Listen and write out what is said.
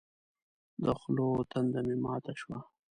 د خولو تنده مې ماته شوه.